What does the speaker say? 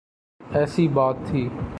ایسی بات تھی۔